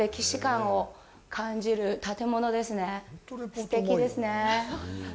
すてきですねぇ。